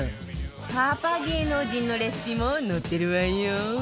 パパ芸能人のレシピも載ってるわよ